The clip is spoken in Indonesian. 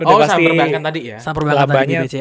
oh saham perbankan tadi ya